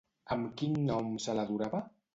Amb quin nom se l'adorava?